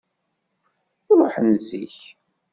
Ruḥen zik.